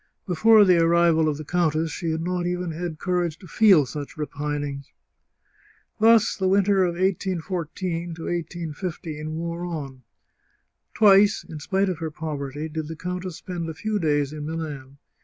Before the arrival of the countess she had not even had courage to feel such re pinings. Thus the winter of 1814 to 181 5 wore on. Twice, in spite of her poverty, did the countess spend a few days in Milan.